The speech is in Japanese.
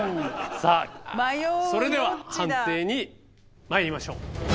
さあそれでは判定にまいりましょう。